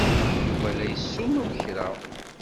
Yuba la d-yessunuɣ kra.